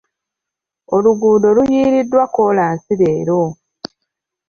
Oluguudo luyiiriddwa kolansi leero.